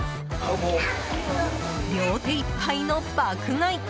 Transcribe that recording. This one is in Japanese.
両手いっぱいの爆買い。